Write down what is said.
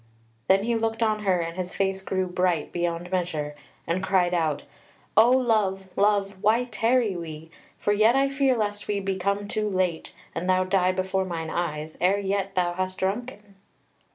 Then he looked on her and his face grew bright beyond measure, and cried out: "O love, love! why tarry we? For yet I fear lest we be come too late, and thou die before mine eyes ere yet thou hast drunken."